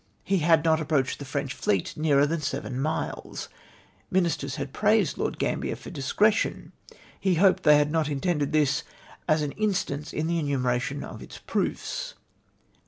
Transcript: He. had not approached tJie French fleet nearer than seven miles. Ministers had praised Lord Gfambier for discretion ; he hopjed they had not intended this as an instance in the enumeration of its proofs.